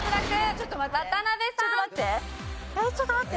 ちょっと待って。